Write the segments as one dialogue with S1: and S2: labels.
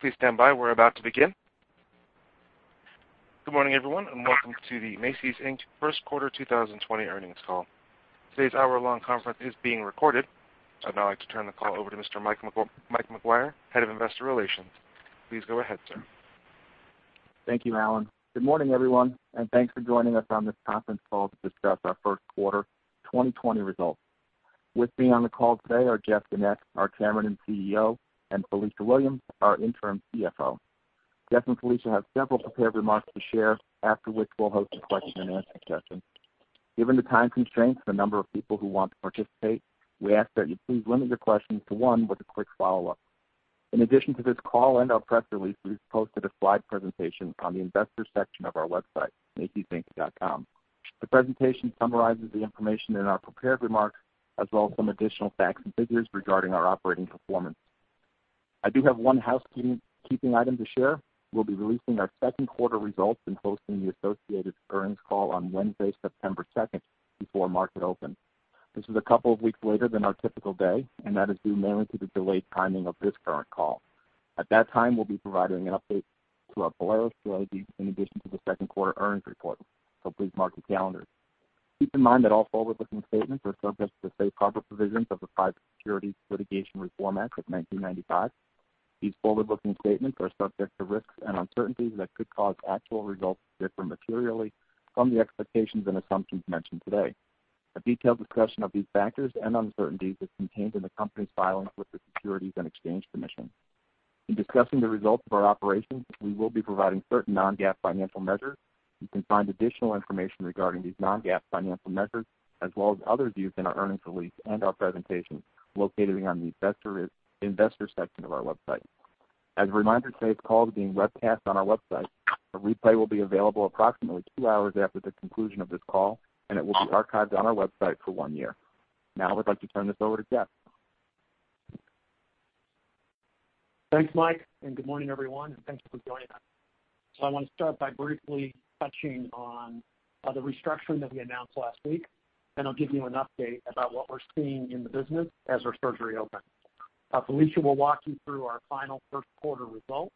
S1: Please stand by. We're about to begin. Good morning, everyone, welcome to the Macy's, Inc. First Quarter 2020 earnings call. Today's hour-long conference is being recorded. I'd now like to turn the call over to Mr. Mike McGuire, head of investor relations. Please go ahead, sir.
S2: Thank you, Alan. Good morning, everyone, and thanks for joining us on this conference call to discuss our first quarter 2020 results. With me on the call today are Jeff Gennette, our Chairman and CEO, and Felicia Williams, our interim CFO. Jeff and Felicia have several prepared remarks to share, after which we'll host a question and answer session. Given the time constraints and the number of people who want to participate, we ask that you please limit your questions to one with a quick follow-up. In addition to this call and our press release, we've posted a slide presentation on the investors section of our website, macysinc.com. The presentation summarizes the information in our prepared remarks, as well as some additional facts and figures regarding our operating performance. I do have one housekeeping item to share. We'll be releasing our second quarter results and hosting the associated earnings call on Wednesday, September 2nd, before market open. This is a couple of weeks later than our typical day, and that is due mainly to the delayed timing of this current call. At that time, we'll be providing an update to our Polaris strategy, in addition to the second quarter earnings report. Please mark your calendars. Keep in mind that all forward-looking statements are subject to the safe harbor provisions of the Private Securities Litigation Reform Act of 1995. These forward-looking statements are subject to risks and uncertainties that could cause actual results to differ materially from the expectations and assumptions mentioned today. A detailed discussion of these factors and uncertainties is contained in the company's filings with the Securities and Exchange Commission. In discussing the results of our operations, we will be providing certain non-GAAP financial measures. You can find additional information regarding these non-GAAP financial measures, as well as others, used in our earnings release and our presentation located on the investor section of our website. As a reminder, today's call is being webcast on our website. A replay will be available approximately two hours after the conclusion of this call, and it will be archived on our website for one year. Now, I'd like to turn this over to Jeff.
S3: Thanks, Mike. Good morning, everyone. Thank you for joining us. I want to start by briefly touching on the restructuring that we announced last week, and I'll give you an update about what we're seeing in the business as our stores reopen. Felicia will walk you through our final first quarter results,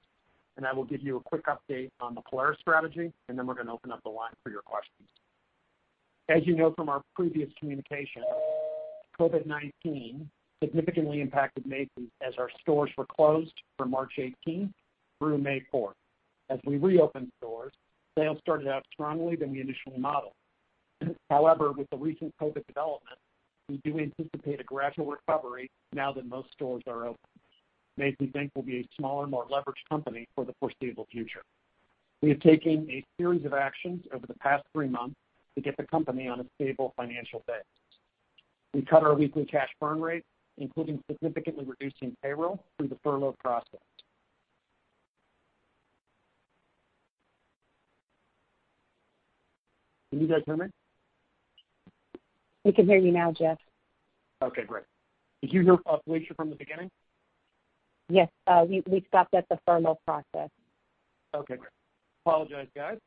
S3: and I will give you a quick update on the Polaris strategy, and then we're going to open up the line for your questions. As you know from our previous communication, COVID-19 significantly impacted Macy's as our stores were closed from March 18th through May 4th. As we reopened stores, sales started out strongly than we initially modeled. However, with the recent COVID development, we do anticipate a gradual recovery now that most stores are open. Macy's, Inc. will be a smaller, more leveraged company for the foreseeable future. We have taken a series of actions over the past three months to get the company on a stable financial base. We cut our weekly cash burn rate, including significantly reducing payroll through the furlough process. Can you guys hear me?
S4: We can hear you now, Jeff.
S3: Okay, great. Did you hear Felicia from the beginning?
S4: Yes. We stopped at the furlough process.
S3: Okay, great. Apologize, guys.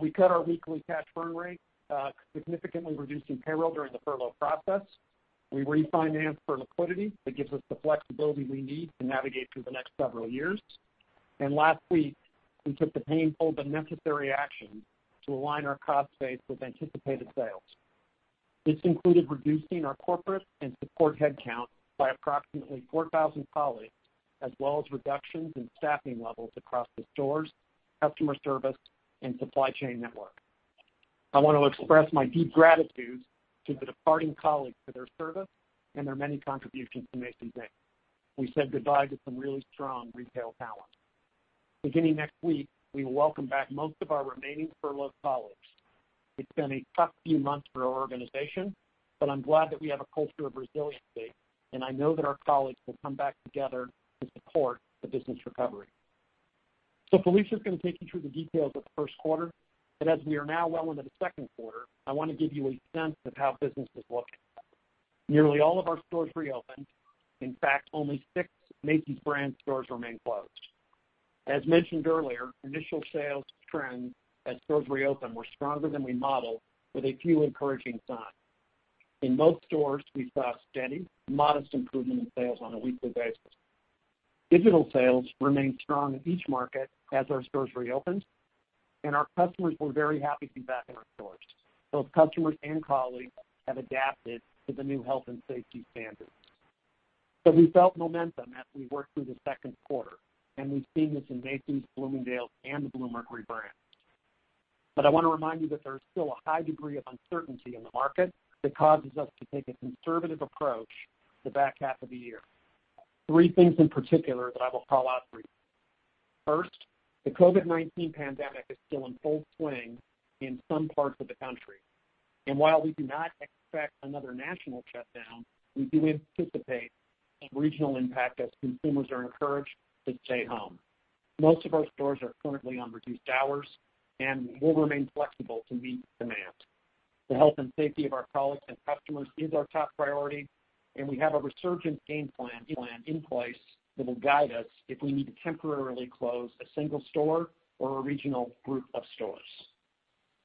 S3: We cut our weekly cash burn rate, significantly reducing payroll during the furlough process. We refinanced for liquidity. That gives us the flexibility we need to navigate through the next several years. Last week, we took the painful but necessary action to align our cost base with anticipated sales. This included reducing our corporate and support headcount by approximately 4,000 colleagues, as well as reductions in staffing levels across the stores, customer service, and supply chain network. I want to express my deep gratitude to the departing colleagues for their service and their many contributions to Macy's, Inc. We said goodbye to some really strong retail talent. Beginning next week, we will welcome back most of our remaining furloughed colleagues. It's been a tough few months for our organization, but I'm glad that we have a culture of resiliency, and I know that our colleagues will come back together to support the business recovery. Felicia's going to take you through the details of the first quarter, but as we are now well into the second quarter, I want to give you a sense of how business is looking. Nearly all of our stores reopened. In fact, only six Macy's brand stores remain closed. As mentioned earlier, initial sales trends as stores reopened were stronger than we modeled with a few encouraging signs. In most stores, we saw a steady, modest improvement in sales on a weekly basis. Digital sales remained strong in each market as our stores reopened, and our customers were very happy to be back in our stores. Both customers and colleagues have adapted to the new health and safety standards. We felt momentum as we worked through the second quarter, and we've seen this in Macy's, Bloomingdale's, and the Bluemercury brand. I want to remind you that there is still a high degree of uncertainty in the market that causes us to take a conservative approach to the back half of the year. Three things in particular that I will call out for you. First, the COVID-19 pandemic is still in full swing in some parts of the country. While we do not expect another national shutdown, we do anticipate a regional impact as consumers are encouraged to stay home. Most of our stores are currently on reduced hours and will remain flexible to meet demand. The health and safety of our colleagues and customers is our top priority, and we have a Resurgence Game Plan in place that will guide us if we need to temporarily close a single store or a regional group of stores.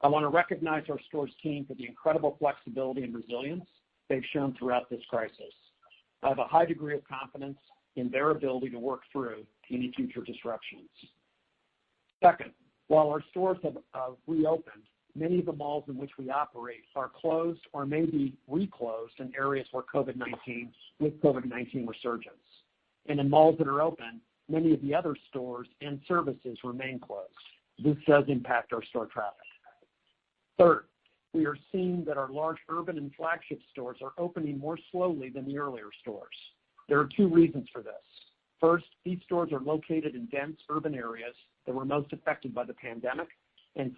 S3: I want to recognize our stores team for the incredible flexibility and resilience they've shown throughout this crisis. I have a high degree of confidence in their ability to work through any future disruptions. Second, while our stores have reopened, many of the malls in which we operate are closed or may be re-closed in areas with COVID-19 resurgence. In malls that are open, many of the other stores and services remain closed. This does impact our store traffic. Third, we are seeing that our large urban and flagship stores are opening more slowly than the earlier stores. There are two reasons for this. First, these stores are located in dense urban areas that were most affected by the pandemic.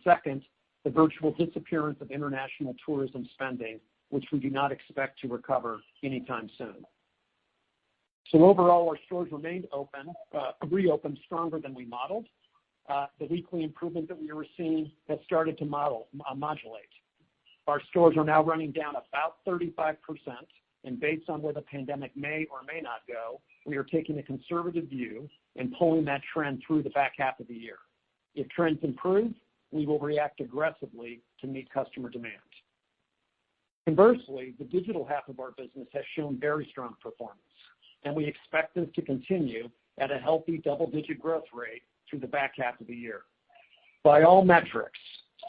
S3: Second, the virtual disappearance of international tourism spending, which we do not expect to recover anytime soon. Overall, our stores reopened stronger than we modeled. The weekly improvement that we were seeing has started to modulate. Our stores are now running down about 35%, and based on where the pandemic may or may not go, we are taking a conservative view and pulling that trend through the back half of the year. If trends improve, we will react aggressively to meet customer demand. Inversely, the digital half of our business has shown very strong performance, and we expect this to continue at a healthy double-digit growth rate through the back half of the year. By all metrics,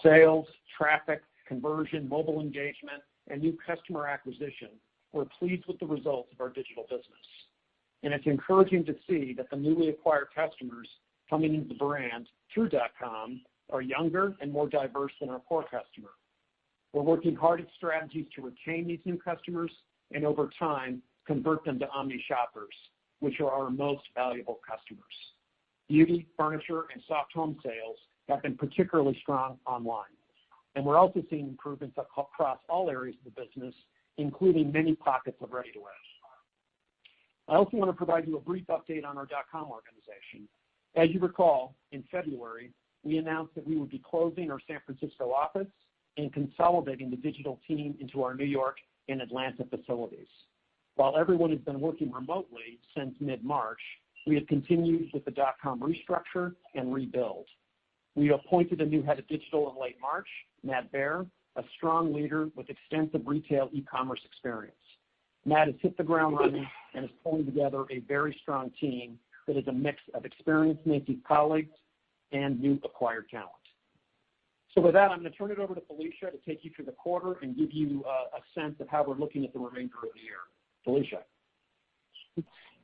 S3: sales, traffic, conversion, mobile engagement, and new customer acquisition, we're pleased with the results of our digital business. It's encouraging to see that the newly acquired customers coming into the brand through .com are younger and more diverse than our core customer. We're working hard at strategies to retain these new customers and over time, convert them to omni-shoppers, which are our most valuable customers. Beauty, furniture, and soft home sales have been particularly strong online. We're also seeing improvements across all areas of the business, including many pockets of ready-to-wear. I also want to provide you a brief update on our .com organization. As you recall, in February, we announced that we would be closing our San Francisco office and consolidating the digital team into our New York and Atlanta facilities. While everyone has been working remotely since mid-March, we have continued with the .com restructure and rebuild. We appointed a new head of digital in late March, Matt Baer, a strong leader with extensive retail e-commerce experience. Matt has hit the ground running and has pulled together a very strong team that is a mix of experienced Macy's colleagues and new acquired talent. With that, I'm going to turn it over to Felicia to take you through the quarter and give you a sense of how we're looking at the remainder of the year. Felicia.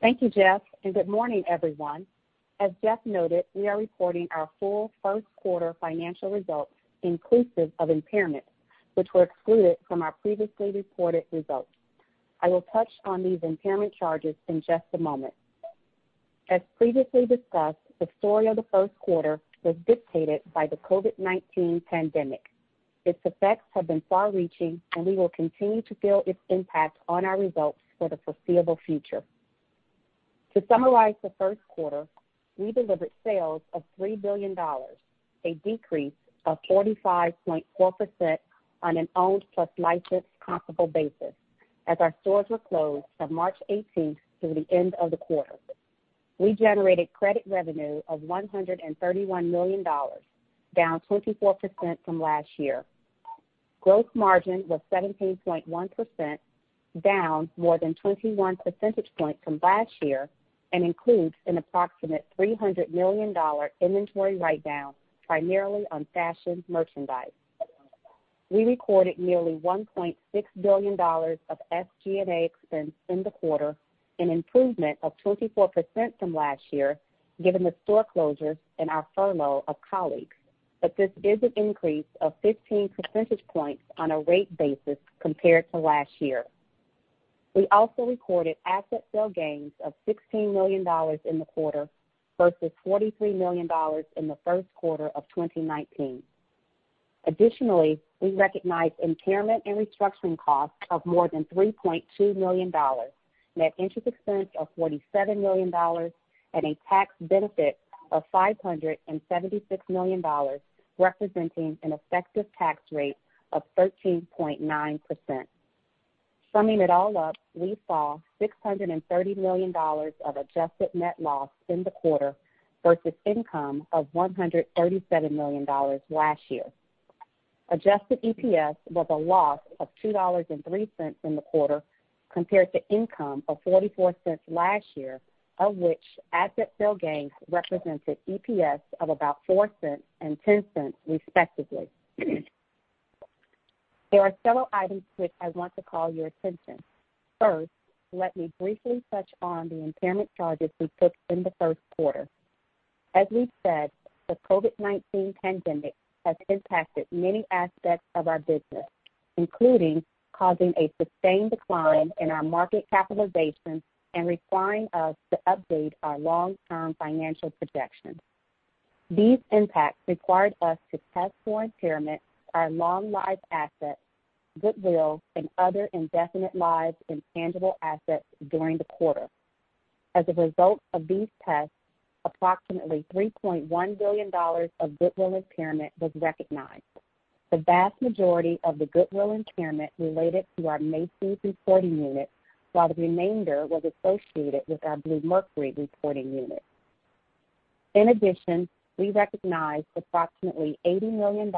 S4: Thank you, Jeff. Good morning, everyone. As Jeff noted, we are reporting our full first quarter financial results inclusive of impairments, which were excluded from our previously reported results. I will touch on these impairment charges in just a moment. As previously discussed, the story of the first quarter was dictated by the COVID-19 pandemic. Its effects have been far-reaching, and we will continue to feel its impact on our results for the foreseeable future. To summarize the first quarter, we delivered sales of $3 billion, a decrease of 45.4% on an owned plus licensed comparable basis, as our stores were closed from March 18th through the end of the quarter. We generated credit revenue of $131 million, down 24% from last year. Gross margin was 17.1%, down more than 21 percentage points from last year and includes an approximate $300 million inventory write-down, primarily on fashion merchandise. We recorded nearly $1.6 billion of SG&A expense in the quarter, an improvement of 24% from last year, given the store closures and our furlough of colleagues. This is an increase of 15 percentage points on a rate basis compared to last year. We also recorded asset sale gains of $16 million in the quarter versus $43 million in the first quarter of 2019. Additionally, we recognized impairment and restructuring costs of more than $3.2 million, net interest expense of $47 million, and a tax benefit of $576 million, representing an effective tax rate of 13.9%. Summing it all up, we saw $630 million of adjusted net loss in the quarter versus income of $137 million last year. Adjusted EPS was a loss of $2.03 in the quarter compared to income of $0.44 last year, of which asset sale gains represented EPS of about $0.04 and $0.10 respectively. There are several items to which I want to call your attention. First, let me briefly touch on the impairment charges we took in the first quarter. As we've said, the COVID-19 pandemic has impacted many aspects of our business, including causing a sustained decline in our market capitalization and requiring us to update our long-term financial projections. These impacts required us to test for impairment our long-lived assets, goodwill, and other indefinite-lived intangible assets during the quarter. As a result of these tests, approximately $3.1 billion of goodwill impairment was recognized. The vast majority of the goodwill impairment related to our Macy's reporting unit, while the remainder was associated with our Bluemercury reporting unit. In addition, we recognized approximately $80 million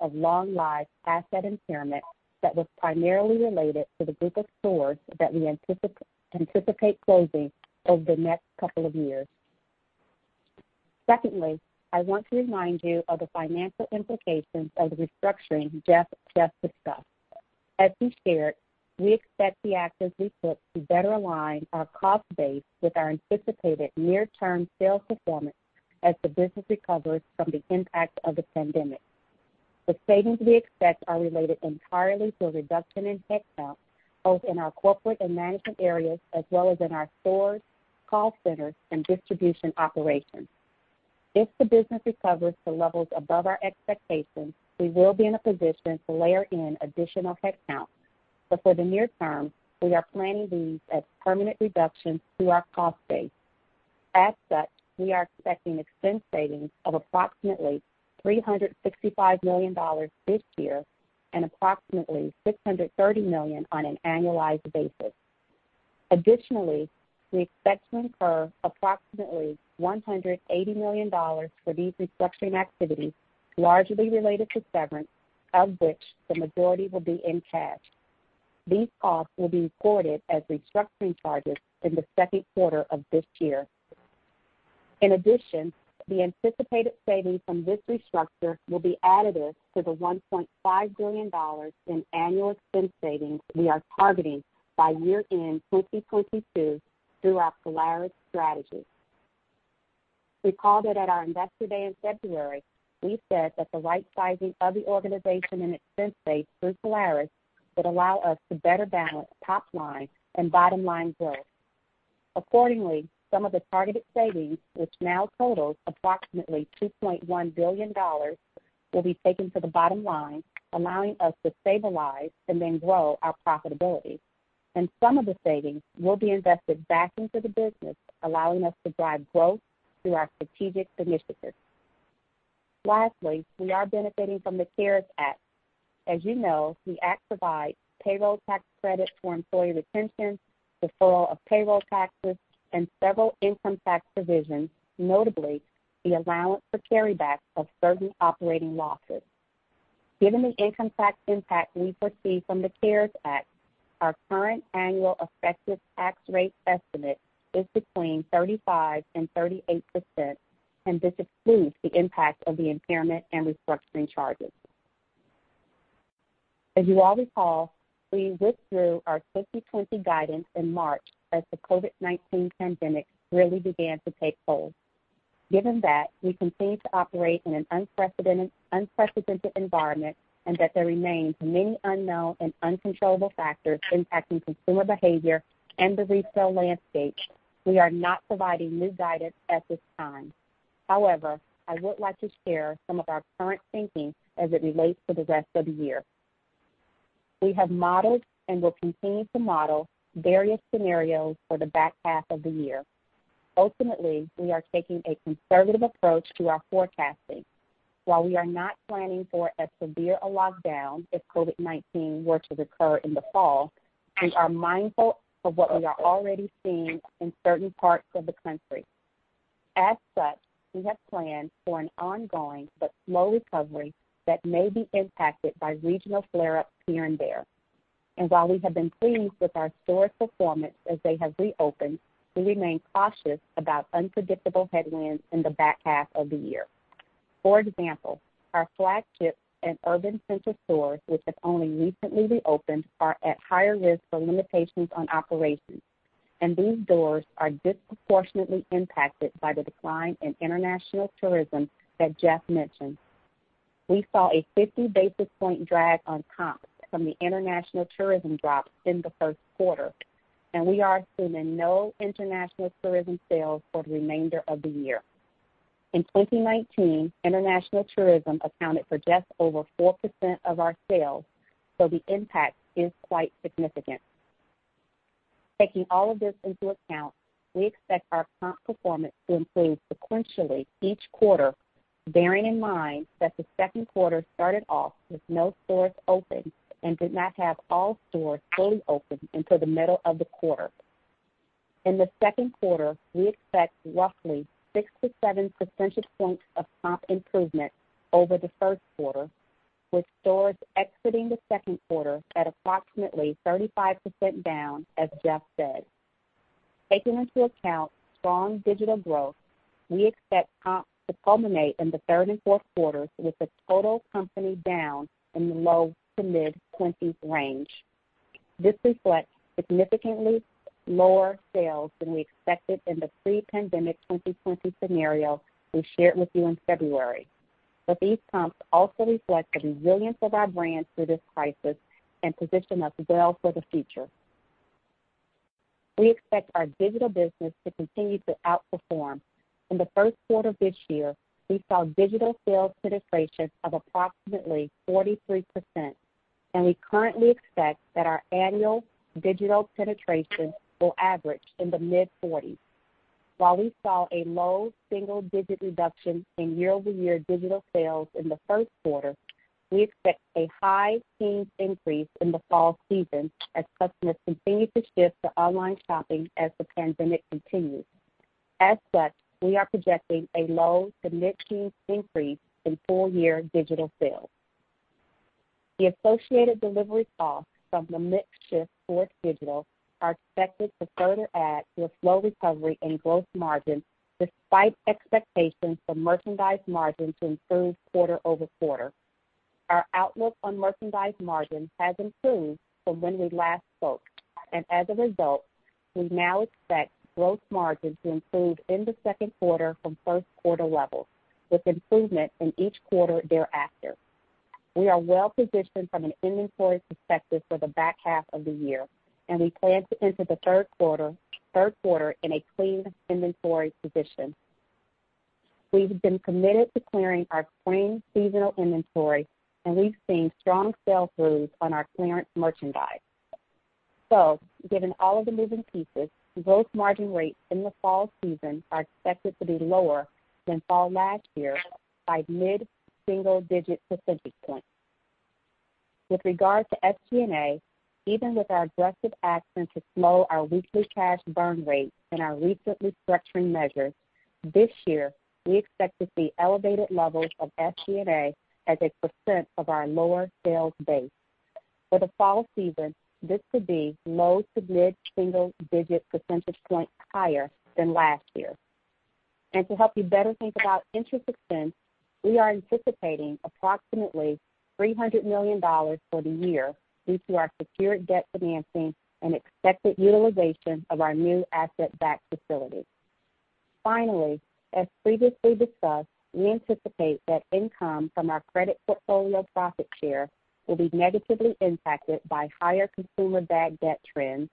S4: of long-life asset impairment that was primarily related to the group of stores that we anticipate closing over the next couple of years. Secondly, I want to remind you of the financial implications of the restructuring Jeff just discussed. As we shared, we expect the actions we took to better align our cost base with our anticipated near-term sales performance as the business recovers from the impact of the pandemic. The savings we expect are related entirely to a reduction in headcount, both in our corporate and management areas, as well as in our stores, call centers, and distribution operations. If the business recovers to levels above our expectations, we will be in a position to layer in additional headcount. For the near term, we are planning these as permanent reductions to our cost base. As such, we are expecting expense savings of approximately $365 million this year and approximately $630 million on an annualized basis. Additionally, we expect to incur approximately $180 million for these restructuring activities, largely related to severance, of which the majority will be in cash. These costs will be recorded as restructuring charges in the second quarter of this year. In addition, the anticipated savings from this restructure will be additive to the $1.5 billion in annual expense savings we are targeting by year-end 2022 through our Polaris strategy. Recall that at our Investor Day in February, we said that the right sizing of the organization and expense base through Polaris would allow us to better balance top-line and bottom-line growth. Accordingly, some of the targeted savings, which now totals approximately $2.1 billion, will be taken to the bottom line, allowing us to stabilize and then grow our profitability. Some of the savings will be invested back into the business, allowing us to drive growth through our strategic initiatives. Lastly, we are benefiting from the CARES Act. As you know, the act provides payroll tax credits for employee retention, deferral of payroll taxes, and several income tax provisions, notably the allowance for carryback of certain operating losses. Given the income tax impact we foresee from the CARES Act, our current annual effective tax rate estimate is between 35% and 38%, and this excludes the impact of the impairment and restructuring charges. As you all recall, we withdrew our 2020 guidance in March as the COVID-19 pandemic really began to take hold. Given that we continue to operate in an unprecedented environment and that there remains many unknown and uncontrollable factors impacting consumer behavior and the retail landscape, we are not providing new guidance at this time. However, I would like to share some of our current thinking as it relates to the rest of the year. We have modeled and will continue to model various scenarios for the back half of the year. Ultimately, we are taking a conservative approach to our forecasting. While we are not planning for as severe a lockdown if COVID-19 were to recur in the fall, we are mindful of what we are already seeing in certain parts of the country. As such, we have planned for an ongoing but slow recovery that may be impacted by regional flare-ups here and there. While we have been pleased with our store performance as they have reopened, we remain cautious about unpredictable headwinds in the back half of the year. For example, our flagship and urban center stores, which have only recently reopened, are at higher risk for limitations on operations. These stores are disproportionately impacted by the decline in international tourism that Jeff mentioned. We saw a 50 basis point drag on comps from the international tourism drop in the first quarter, and we are assuming no international tourism sales for the remainder of the year. In 2019, international tourism accounted for just over 4% of our sales, so the impact is quite significant. Taking all of this into account, we expect our comp performance to improve sequentially each quarter, bearing in mind that the second quarter started off with no stores open and did not have all stores fully open until the middle of the quarter. In the second quarter, we expect roughly 6-7 percentage points of comp improvement over the first quarter, with stores exiting the second quarter at approximately 35% down, as Jeff said. Taking into account strong digital growth, we expect comps to culminate in the third and fourth quarters, with the total company down in the low to mid-20s range. This reflects significantly lower sales than we expected in the pre-pandemic 2020 scenario we shared with you in February. These comps also reflect the resilience of our brand through this crisis and position us well for the future. We expect our digital business to continue to outperform. In the first quarter of this year, we saw digital sales penetration of approximately 43%, and we currently expect that our annual digital penetration will average in the mid-40s. While we saw a low single-digit reduction in year-over-year digital sales in the first quarter. We expect a high teens increase in the fall season as customers continue to shift to online shopping as the pandemic continues. As such, we are projecting a low to mid-teens increase in full-year digital sales. The associated delivery costs from the mix shift towards digital are expected to further add to a slow recovery in gross margin despite expectations for merchandise margin to improve quarter-over-quarter. Our outlook on merchandise margin has improved from when we last spoke. As a result, we now expect gross margin to improve in the second quarter from first quarter levels, with improvement in each quarter thereafter. We are well-positioned from an inventory perspective for the back half of the year. We plan to enter the third quarter in a clean inventory position. We've been committed to clearing our spring seasonal inventory. We've seen strong sales growth on our clearance merchandise. Given all of the moving pieces, gross margin rates in the fall season are expected to be lower than fall last year by mid-single digit percentage points. With regard to SG&A, even with our aggressive action to slow our weekly cash burn rate and our recent restructuring measures, this year, we expect to see elevated levels of SG&A as a % of our lower sales base. For the fall season, this could be low to mid-single digit percentage points higher than last year. To help you better think about interest expense, we are anticipating approximately $300 million for the year due to our secured debt financing and expected utilization of our new asset-backed facility. Finally, as previously discussed, we anticipate that income from our credit portfolio profit share will be negatively impacted by higher consumer bad debt trends,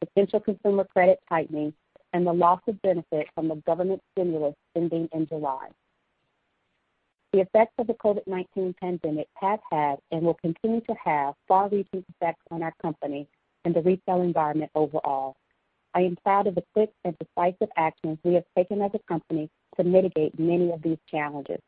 S4: potential consumer credit tightening, and the loss of benefit from the government stimulus ending in July. The effects of the COVID-19 pandemic have had, and will continue to have, far-reaching effects on our company and the retail environment overall. I am proud of the quick and decisive actions we have taken as a company to mitigate many of these challenges.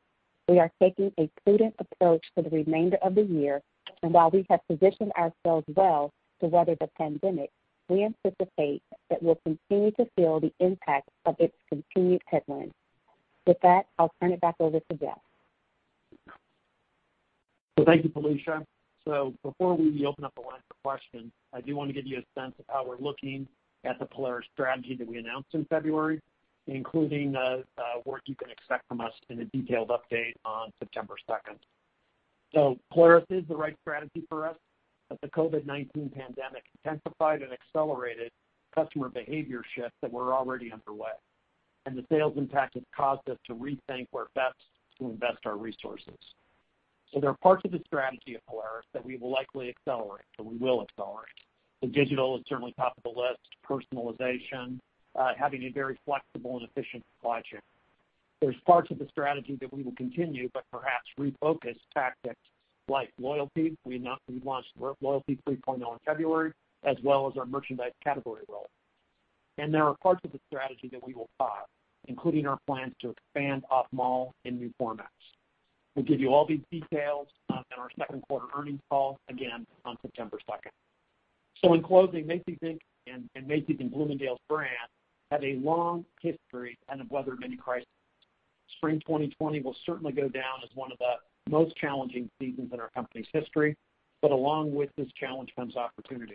S4: We are taking a prudent approach for the remainder of the year, and while we have positioned ourselves well to weather the pandemic, we anticipate that we'll continue to feel the impact of its continued headwinds. With that, I'll turn it back over to Jeff.
S3: Thank you, Felicia. Before we open up the line for questions, I do want to give you a sense of how we're looking at the Polaris strategy that we announced in February, including what you can expect from us in a detailed update on September 2nd. Polaris is the right strategy for us, but the COVID-19 pandemic intensified and accelerated customer behavior shifts that were already underway, and the sales impact has caused us to rethink where best to invest our resources. There are parts of the strategy of Polaris that we will likely accelerate, or we will accelerate. Digital is certainly top of the list, personalization, having a very flexible and efficient supply chain. There's parts of the strategy that we will continue but perhaps refocus tactics like loyalty. We launched Loyalty 3.0 in February, as well as our merchandise category role. There are parts of the strategy that we will pause, including our plans to expand off mall in new formats. We'll give you all these details in our second quarter earnings call, again, on September 2nd. In closing, Macy's, Inc. and Macy's and Bloomingdale's brands have a long history and have weathered many crises. Spring 2020 will certainly go down as one of the most challenging seasons in our company's history, but along with this challenge comes opportunity.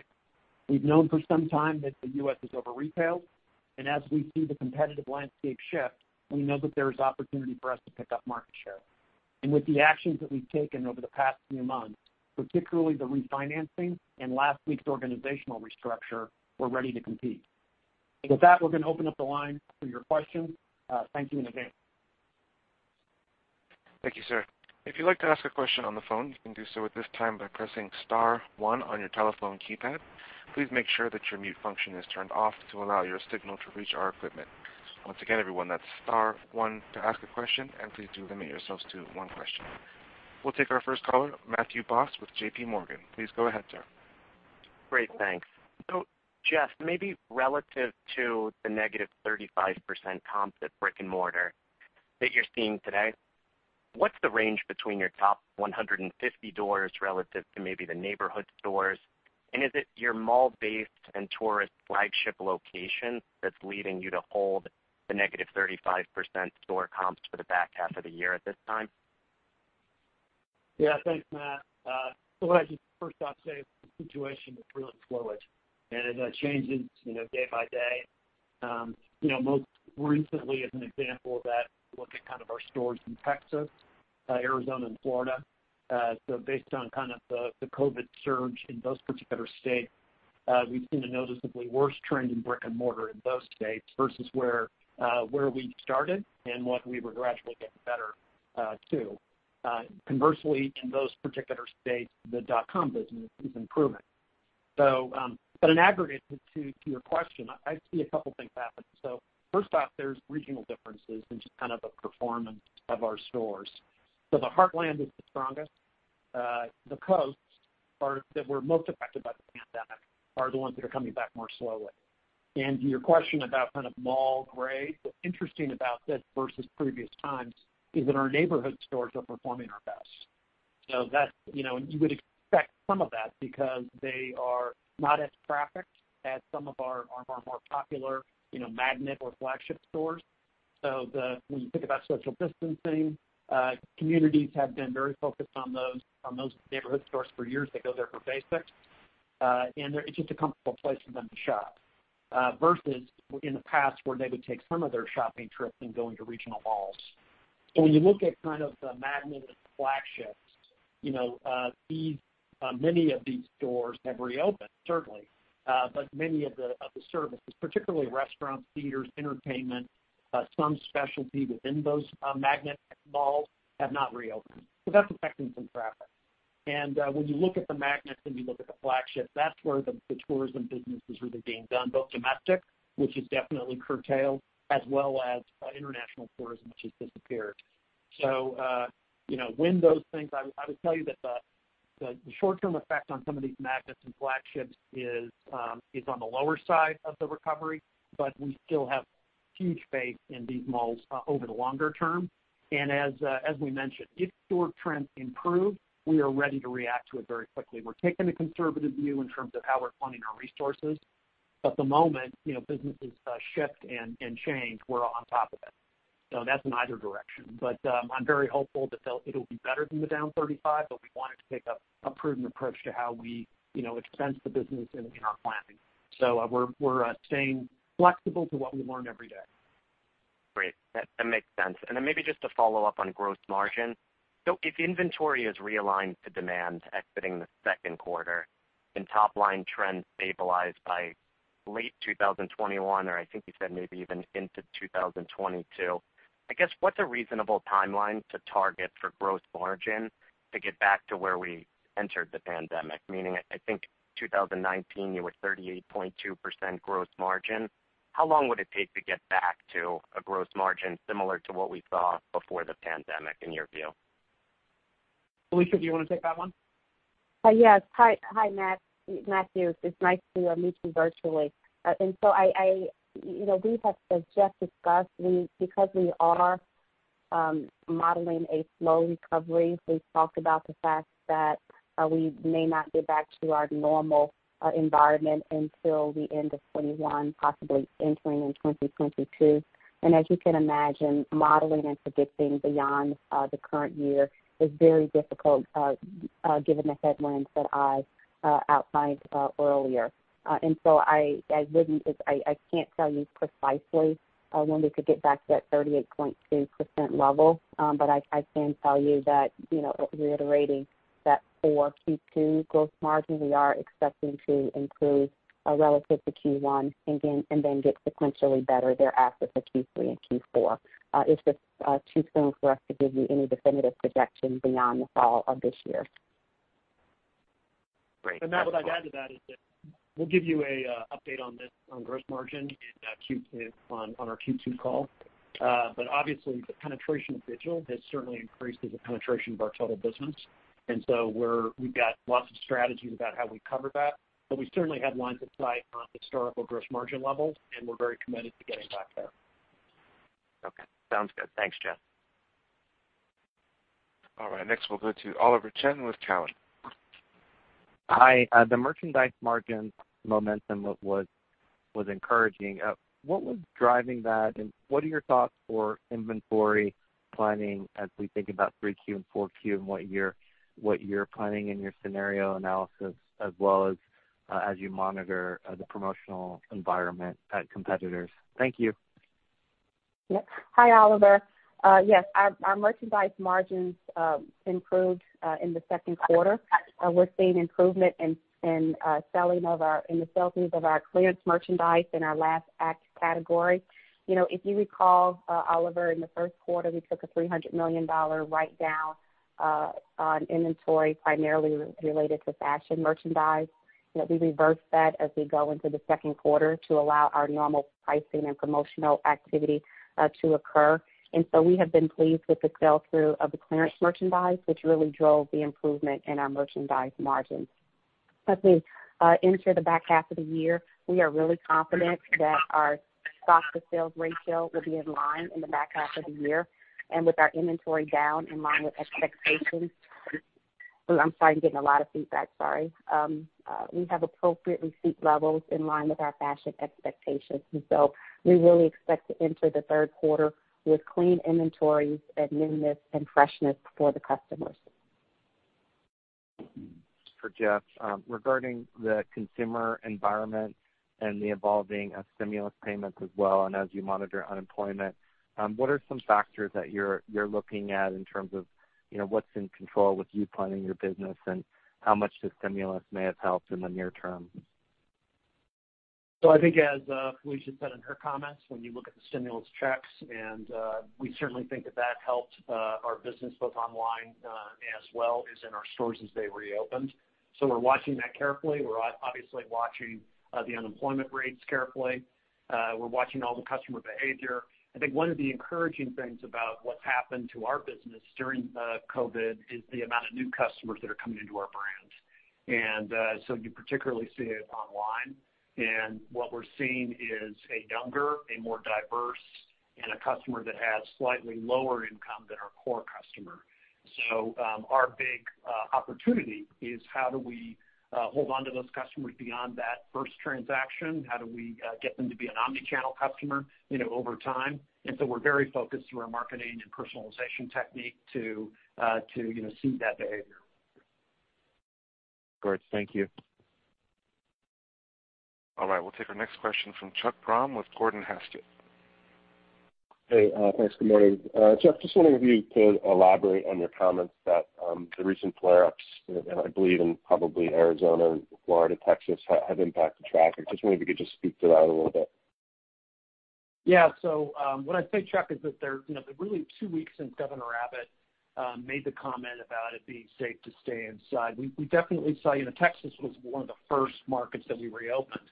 S3: We've known for some time that the U.S. is over-retailed, and as we see the competitive landscape shift, we know that there is opportunity for us to pick up market share. With the actions that we've taken over the past few months, particularly the refinancing and last week's organizational restructure, we're ready to compete. With that, we're going to open up the line for your questions. Thank you in advance.
S1: Thank you, sir. If you'd like to ask a question on the phone, you can do so at this time by pressing star one on your telephone keypad. Please make sure that your mute function is turned off to allow your signal to reach our equipment. Once again, everyone, that's star one to ask a question, and please do limit yourselves to one question. We'll take our first caller, Matthew Boss with J.P. Morgan. Please go ahead, sir.
S5: Great, thanks. Jeff, maybe relative to the -35% comps at brick and mortar that you're seeing today, what's the range between your top 150 stores relative to maybe the neighborhood stores? Is it your mall-based and tourist flagship location that's leading you to hold the -35% store comps for the back half of the year at this time?
S3: Yeah, thanks, Matt. What I just first off say is the situation is really fluid, and it changes day by day. Most recently as an example of that, look at our stores in Texas, Arizona, and Florida. Based on the COVID surge in those particular states, we've seen a noticeably worse trend in brick and mortar in those states versus where we started and what we were gradually getting better to. Conversely, in those particular states, the .com business is improving. In aggregate, to your question, I see a couple things happening. First off, there's regional differences in just the performance of our stores. The Heartland is the strongest. The coasts that were most affected by the pandemic are the ones that are coming back more slowly. To your question about kind of mall grades, what's interesting about this versus previous times is that our neighborhood stores are performing our best. You would expect some of that because they are not as trafficked as some of our more popular magnet or flagship stores. When you think about social distancing, communities have been very focused on those neighborhood stores for years. They go there for basics, and it's just a comfortable place for them to shop, versus in the past where they would take some of their shopping trips and go into regional malls. When you look at kind of the magnet and flagships, many of these stores have reopened, certainly, but many of the services, particularly restaurants, theaters, entertainment, some specialty within those magnet malls have not reopened. That's affecting some traffic. When you look at the magnets and you look at the flagships, that's where the tourism business is really being done, both domestic, which is definitely curtailed, as well as international tourism, which has disappeared. When those things, I would tell you that the short-term effect on some of these magnets and flagships is on the lower side of the recovery, but we still have huge faith in these malls over the longer term. As we mentioned, if store trends improve, we are ready to react to it very quickly. We're taking a conservative view in terms of how we're funding our resources, but the moment businesses shift and change, we're on top of it. That's in either direction. I'm very hopeful that it'll be better than the down 35%, but we wanted to take a prudent approach to how we expense the business in our planning. We're staying flexible to what we learn every day.
S5: Great. That makes sense. Then maybe just to follow up on gross margin. If inventory is realigned to demand exiting the second quarter and top-line trends stabilize by late 2021, or I think you said maybe even into 2022, I guess, what's a reasonable timeline to target for gross margin to get back to where we entered the pandemic? I think 2019, you were at 38.2% gross margin. How long would it take to get back to a gross margin similar to what we saw before the pandemic, in your view?
S3: Felicia, do you want to take that one?
S4: Yes. Hi, Matthew. It's nice to meet you virtually. We have just discussed, because we are modeling a slow recovery, we've talked about the fact that we may not get back to our normal environment until the end of 2021, possibly entering in 2022. As you can imagine, modeling and predicting beyond the current year is very difficult given the headwinds that I outlined earlier. I can't tell you precisely when we could get back to that 38.2% level, but I can tell you that, reiterating that for Q2 gross margin, we are expecting to improve relative to Q1 and then get sequentially better thereafter for Q3 and Q4. It's just too soon for us to give you any definitive projection beyond the fall of this year.
S5: Great.
S3: Matt, what I'd add to that is that we'll give you an update on this, on gross margin on our Q2 call. Obviously, the penetration of digital has certainly increased as a penetration of our total business, and so we've got lots of strategies about how we cover that. We certainly had lines of sight on historical gross margin levels, and we're very committed to getting back there.
S5: Okay, sounds good. Thanks, Jeff.
S1: All right, next we'll go to Oliver Chen with Cowen.
S6: Hi. The merchandise margin momentum was encouraging. What was driving that, and what are your thoughts for inventory planning as we think about 3Q and 4Q and what you're planning in your scenario analysis as well as you monitor the promotional environment at competitors? Thank you.
S4: Hi, Oliver. Yes, our merchandise margins improved in the second quarter. We're seeing improvement in the sell-throughs of our clearance merchandise in our Last Act category. If you recall, Oliver, in the first quarter, we took a $300 million write-down on inventory primarily related to fashion merchandise. We reversed that as we go into the second quarter to allow our normal pricing and promotional activity to occur. We have been pleased with the sell-through of the clearance merchandise, which really drove the improvement in our merchandise margins. As we enter the back half of the year, we are really confident that our stock to sales ratio will be in line in the back half of the year and with our inventory down in line with expectations. Oh, I'm sorry, I'm getting a lot of feedback. Sorry. We have appropriate receipt levels in line with our fashion expectations. We really expect to enter the third quarter with clean inventories, newness, and freshness for the customers.
S6: For Jeff, regarding the consumer environment and the evolving stimulus payments as well, as you monitor unemployment, what are some factors that you're looking at in terms of what's in control with you planning your business and how much the stimulus may have helped in the near term?
S3: I think as Felicia said in her comments, when you look at the stimulus checks, and we certainly think that that helped our business, both online as well as in our stores as they reopened. We're watching that carefully. We're obviously watching the unemployment rates carefully. We're watching all the customer behavior. I think one of the encouraging things about what's happened to our business during COVID is the amount of new customers that are coming into our brands. You particularly see it online. What we're seeing is a younger, a more diverse, and a customer that has slightly lower income than our core customer. Our big opportunity is how do we hold on to those customers beyond that first transaction? How do we get them to be an omni-channel customer over time? We're very focused through our marketing and personalization technique to see that behavior.
S6: Good. Thank you.
S1: All right, we'll take our next question from Chuck Grom with Gordon Haskett.
S7: Hey, thanks. Good morning. Jeff, just wondering if you could elaborate on your comments that the recent flare-ups, I believe in probably Arizona, Florida, Texas, have impacted traffic. Just wondering if you could just speak to that a little bit?
S3: What I'd say, Chuck, is that there are really two weeks since Governor Abbott made the comment about it being safe to stay inside. We definitely saw Texas was one of the first markets that we reopened.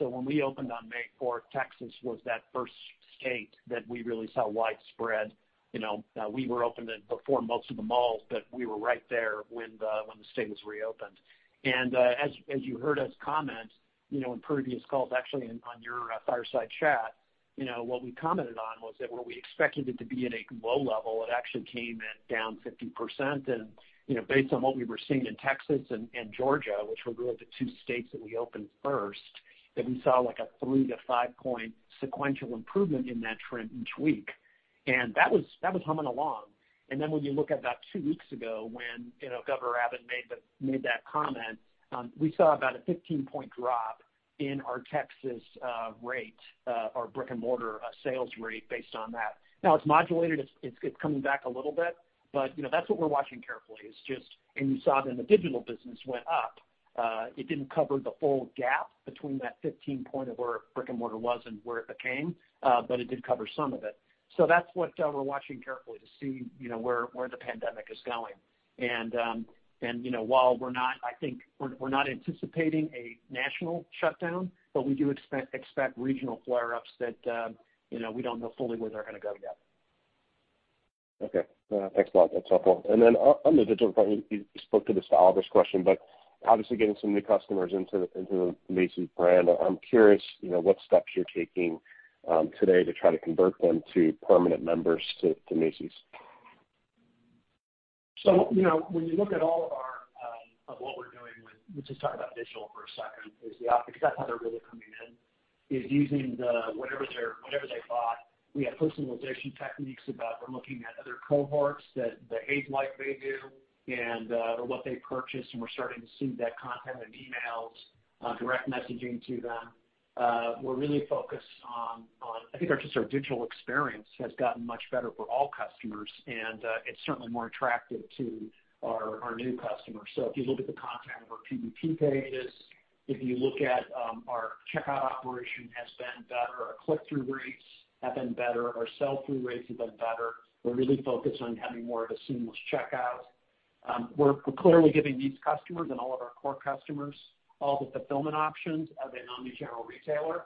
S3: When we opened on May 4th, Texas was that first state that we really saw widespread. We were open before most of the malls, we were right there when the state was reopened. As you heard us comment in previous calls, actually on your fireside chat, what we commented on was that where we expected it to be at a low level, it actually came in down 50%. Based on what we were seeing in Texas and Georgia, which were really the two states that we opened first, that we saw a 3- to 5-point sequential improvement in that trend each week. That was humming along. When you look at about two weeks ago when Governor Abbott made that comment, we saw about a 15-point drop in our Texas rate, our brick-and-mortar sales rate based on that. It's modulated. It's coming back a little bit, but that's what we're watching carefully is. You saw it in the digital business went up. It didn't cover the full gap between that 15 point of where brick-and-mortar was and where it became, but it did cover some of it. That's what we're watching carefully to see where the pandemic is going. While we're not anticipating a national shutdown, but we do expect regional flare-ups that we don't know fully where they're going to go yet.
S7: Okay. Thanks a lot. That's helpful. On the digital front, you spoke to this to Oliver's question, obviously getting some new customers into the Macy's brand. I'm curious what steps you're taking today to try to convert them to permanent members to Macy's.
S3: When you look at all of what we're doing with, let's just talk about digital for a second, because that's how they're really coming in, is using whatever they bought. We have personalization techniques about them looking at other cohorts that behave like they do, and what they purchased, and we're starting to see that content in emails, direct messaging to them. I think just our digital experience has gotten much better for all customers, and it's certainly more attractive to our new customers. If you look at the content of our PDP pages, if you look at our checkout operation has been better, our click-through rates have been better, our sell-through rates have been better. We're really focused on having more of a seamless checkout. We're clearly giving these customers and all of our core customers all the fulfillment options of an omni-channel retailer.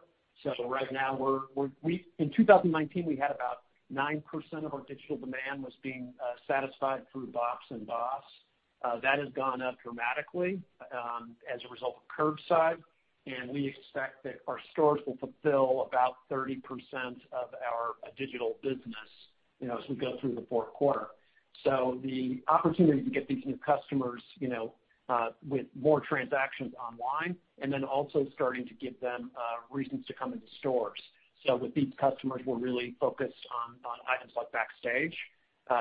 S3: Right now, in 2019, we had about 9% of our digital demand was being satisfied through BOPUS and BOSS. That has gone up dramatically as a result of curbside, and we expect that our stores will fulfill about 30% of our digital business as we go through the fourth quarter. The opportunity to get these new customers with more transactions online and then also starting to give them reasons to come into stores. With these customers, we're really focused on items like Backstage.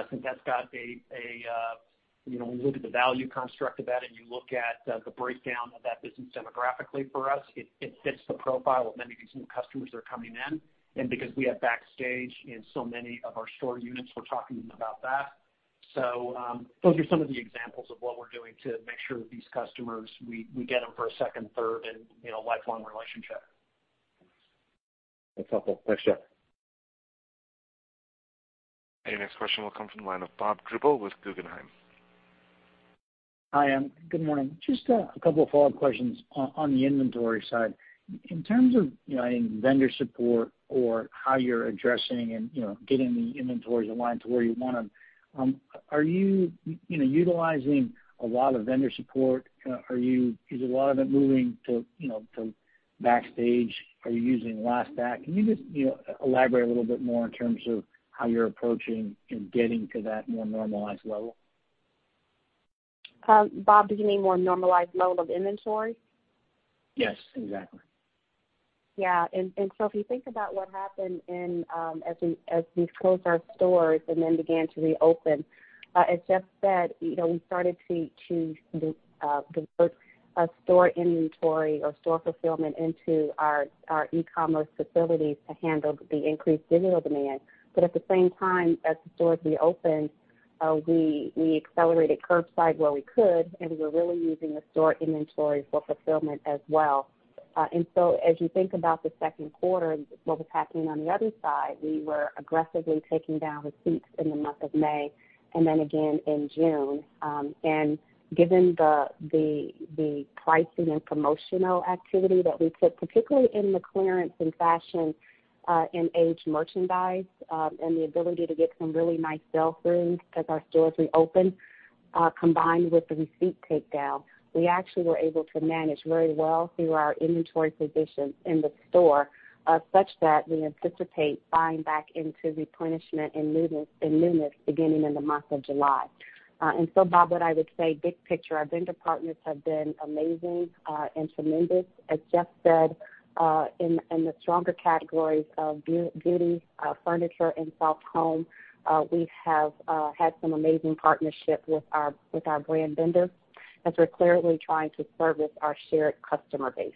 S3: Since that's got, when you look at the value construct of that and you look at the breakdown of that business demographically for us, it fits the profile of many of these new customers that are coming in. Because we have Backstage in so many of our store units, we're talking about that. Those are some of the examples of what we're doing to make sure that these customers, we get them for a second, third, and lifelong relationship.
S7: That's helpful. Thanks, Jeff.
S1: Your next question will come from the line of Bob Drbul with Guggenheim.
S8: Hi, good morning. Just a couple of follow-up questions on the inventory side. In terms of vendor support or how you're addressing and getting the inventories aligned to where you want them, are you utilizing a lot of vendor support? Is a lot of it moving to Backstage? Are you using Last Act? Can you just elaborate a little bit more in terms of how you're approaching and getting to that more normalized level?
S3: Bob, did you mean more normalized level of inventory?
S8: Yes, exactly.
S4: Yeah. If you think about what happened as we closed our stores and then began to reopen, as Jeff said, we started to divert store inventory or store fulfillment into our e-commerce facilities to handle the increased digital demand. At the same time as the stores reopened, we accelerated curbside where we could, and we were really using the store inventory for fulfillment as well. As you think about the second quarter, what was happening on the other side, we were aggressively taking down receipts in the month of May and then again in June. Given the pricing and promotional activity that we took, particularly in the clearance in fashion and aged merchandise, and the ability to get some really nice sell-throughs as our stores reopened, combined with the receipt takedown, we actually were able to manage very well through our inventory position in the store, such that we anticipate buying back into replenishment and newness beginning in the month of July. Bob, what I would say, big picture, our vendor partners have been amazing and tremendous. As Jeff said, in the stronger categories of beauty, furniture, and soft home, we have had some amazing partnership with our brand vendors as we're clearly trying to service our shared customer base.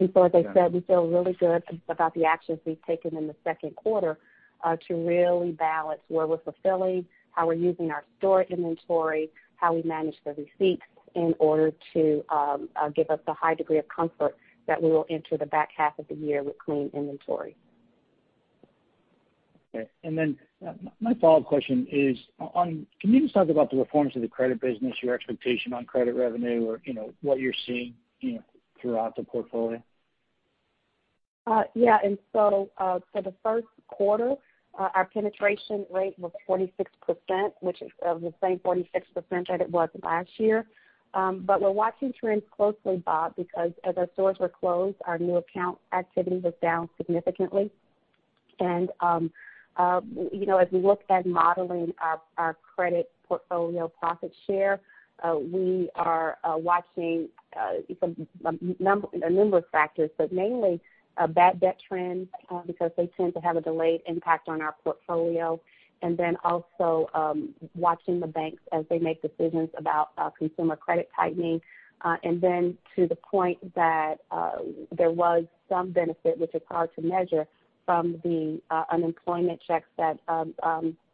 S4: As I said, we feel really good about the actions we've taken in the second quarter, to really balance where we're fulfilling, how we're using our store inventory, how we manage the receipts in order to give us a high degree of comfort that we will enter the back half of the year with clean inventory.
S8: Okay. My follow-up question is, can you just talk about the reforms to the credit business, your expectation on credit revenue or what you're seeing throughout the portfolio?
S4: Yeah. For the first quarter, our penetration rate was 46%, which is of the same 46% that it was last year. We're watching trends closely, Bob, because as our stores were closed, our new account activity was down significantly. As we look at modeling our credit portfolio profit share, we are watching a number of factors, but mainly bad debt trends, because they tend to have a delayed impact on our portfolio, and then also watching the banks as they make decisions about consumer credit tightening. To the point that there was some benefit, which is hard to measure, from the unemployment checks that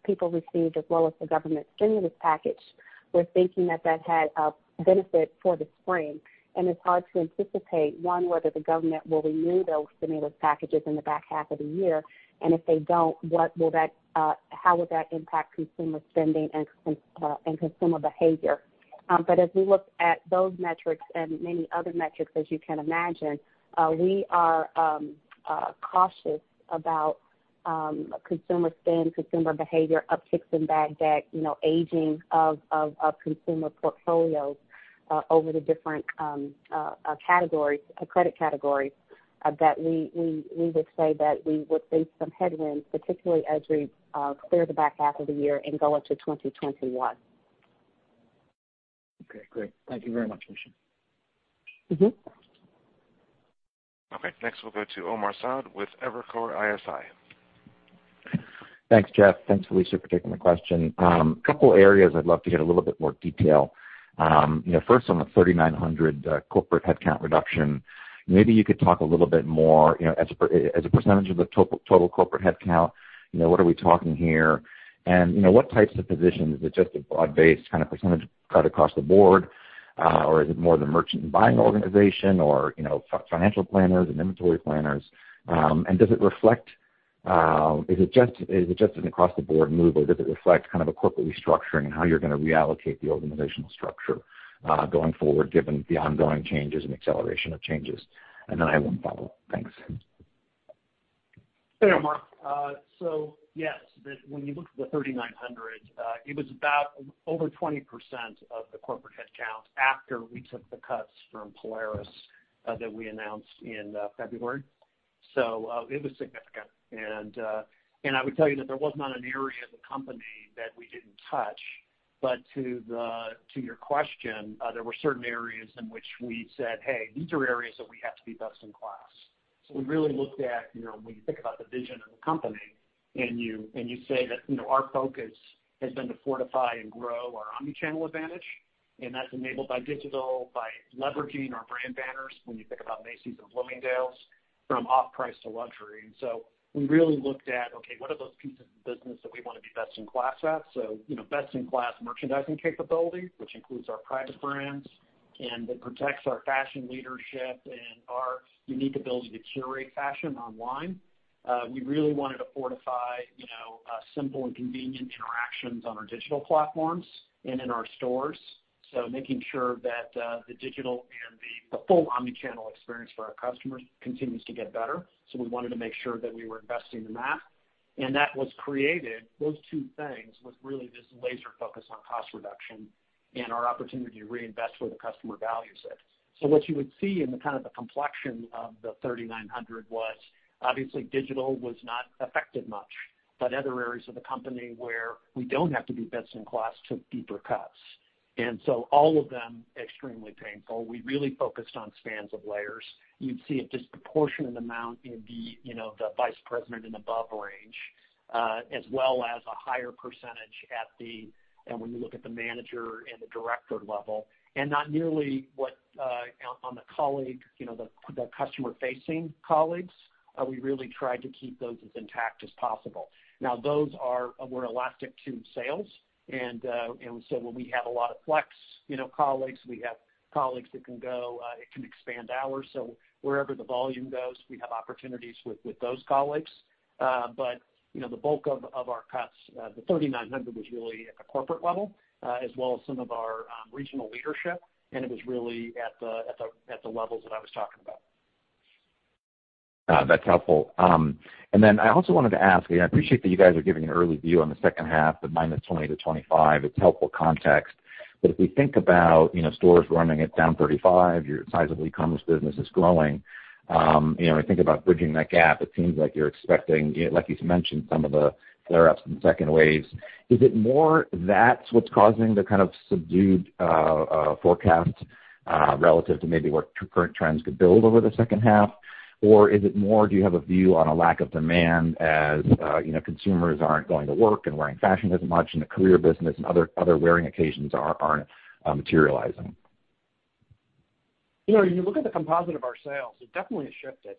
S4: people received, as well as the government stimulus package. We're thinking that that had a benefit for the spring, and it's hard to anticipate, one, whether the government will renew those stimulus packages in the back half of the year, and if they don't, how would that impact consumer spending and consumer behavior. As we look at those metrics and many other metrics, as you can imagine, we are cautious about consumer spend, consumer behavior, upticks in bad debt, aging of consumer portfolios, over the different credit categories, that we would say that we would face some headwinds, particularly as we clear the back half of the year and go into 2021.
S8: Okay, great. Thank you very much, Felicia.
S1: Okay, next we'll go to Omar Saad with Evercore ISI.
S9: Thanks, Jeff. Thanks, Felicia, for taking my question. Couple areas I'd love to get a little bit more detail. First on the 3,900 corporate headcount reduction. Maybe you could talk a little bit more, as a percentage of the total corporate headcount, what are we talking here? What types of positions? Is it just a broad-based percentage cut across the board? Is it more the merchant and buying organization or financial planners and inventory planners? Is it just an across the board move or does it reflect a corporate restructuring in how you're gonna reallocate the organizational structure going forward, given the ongoing changes and acceleration of changes? Then I have one follow-up. Thanks.
S3: Hey, Omar. Yes, when you look at the 3,900, it was about over 20% of the corporate headcount after we took the cuts from Polaris that we announced in February. It was significant. I would tell you that there was not an area of the company that we didn't touch. To your question, there were certain areas in which we said, "Hey, these are areas that we have to be best in class." We really looked at, when you think about the vision of the company, and you say that our focus has been to fortify and grow our omnichannel advantage, and that's enabled by digital, by leveraging our brand banners, when you think about Macy's and Bloomingdale's, from off-price to luxury. We really looked at, okay, what are those pieces of the business that we wanna be best in class at? Best in class merchandising capability, which includes our private brands and that protects our fashion leadership and our unique ability to curate fashion online. We really wanted to fortify simple and convenient interactions on our digital platforms and in our stores. Making sure that the digital and the full omnichannel experience for our customers continues to get better. We wanted to make sure that we were investing in that. That was created, those two things, with really this laser focus on cost reduction and our opportunity to reinvest where the customer values it. What you would see in the complexion of the 3,900 was, obviously digital was not affected much, but other areas of the company where we don't have to be best in class took deeper cuts. All of them, extremely painful. We really focused on spans of layers. You'd see a disproportionate amount in the vice president and above range. As well as a higher percentage when you look at the manager and the director level, not nearly what on the customer-facing colleagues. We really tried to keep those as intact as possible. Those are more elastic to sales. When we have a lot of flex colleagues, we have colleagues that can expand hours. Wherever the volume goes, we have opportunities with those colleagues. The bulk of our cuts, the 3,900, was really at the corporate level, as well as some of our regional leadership, and it was really at the levels that I was talking about.
S9: That's helpful. I also wanted to ask, I appreciate that you guys are giving an early view on the second half, the -20% to -25%. It's helpful context. If we think about stores running at -35%, your size of e-commerce business is growing. I think about bridging that gap, it seems like you're expecting, like you mentioned, some of the flare-ups and second waves. Is it more that's what's causing the kind of subdued forecast relative to maybe what current trends could build over the second half? Do you have a view on a lack of demand as consumers aren't going to work and wearing fashion as much, and the career business and other wearing occasions aren't materializing?
S3: When you look at the composite of our sales, it definitely has shifted.